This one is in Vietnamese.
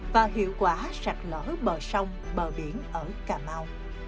và hiệu quả sạch lỡ bờ sông bờ biển ở cà mau